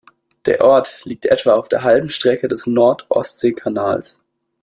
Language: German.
Der Ort liegt etwa auf der halben Strecke des Nord-Ostsee-Kanals.